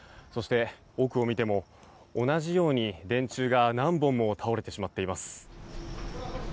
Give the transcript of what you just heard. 奥を見ても、同じように電柱が何本も倒れてしまっています。